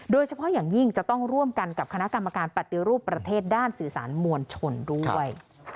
โดยเฉพาะอย่างยิ่งจะต้องร่วมกันกับคณะกรรมการปฏิรูปประเทศด้านสื่อสารมวลชนด้วย